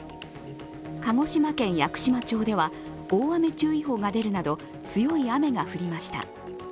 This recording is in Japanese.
鹿児島県屋久島町では大雨注意報が出るなど強い雨が降りました。